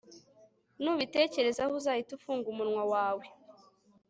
nubitekerezaho, uzahite ufunga umunwa wawe